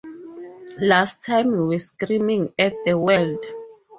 Last time, we were screaming at the world.